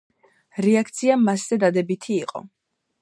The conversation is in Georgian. რეაქცია მასზე დადებითი იყო.